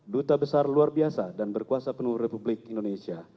duta besar luar biasa dan berkuasa penuh republik indonesia